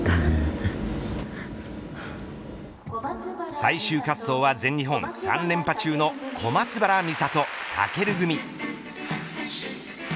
最終滑走は全日本３連覇中の小松原美里・尊組。